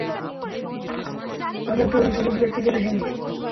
তাদের কেউই সঠিক ব্যক্তিকে দেখেনি।